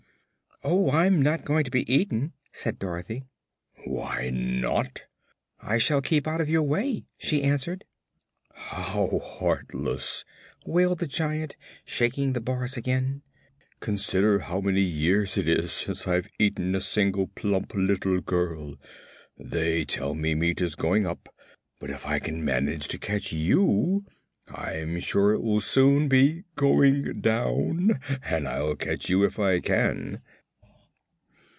"Oh, I'm not going to be eaten," said Dorothy. "Why not?" "I shall keep out of your way," she answered. "How heartless!" wailed the Giant, shaking the bars again. "Consider how many years it is since I've eaten a single plump little girl! They tell me meat is going up, but if I can manage to catch you I'm sure it will soon be going down. And I'll catch you if I can."